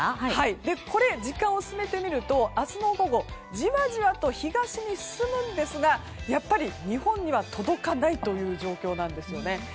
これ、時間を進めてみると明日の午後じわじわと東に進むんですがやっぱり日本には届かないという状況なんですよね。